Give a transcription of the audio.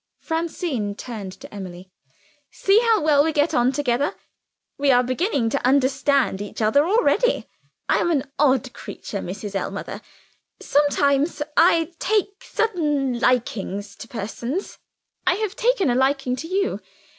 Francine turned to Emily. "See how well we get on together. We are beginning to understand each other already. I am an odd creature, Mrs. Ellmother. Sometimes, I take sudden likings to persons I have taken a liking to you.